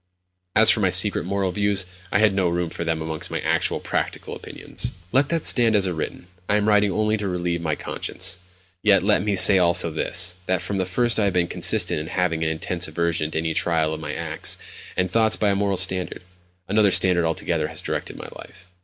As for my secret moral views, I had no room for them amongst my actual, practical opinions. Let that stand as written: I am writing only to relieve my conscience. Yet let me say also this: that from the first I have been consistent in having an intense aversion to any trial of my acts and thoughts by a moral standard. Another standard altogether has directed my life....